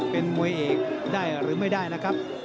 เป็นบริเวณตี้ได้หรือไม่ได้นะครับ